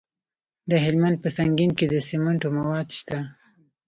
د هلمند په سنګین کې د سمنټو مواد شته.